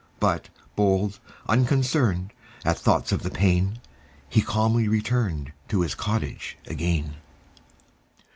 But bold, unconcern'd At thoughts of the pain, He calmly return'd To his cottage again.